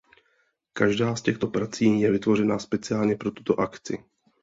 Každá z těchto prací je vytvořena speciálně pro tuto akci.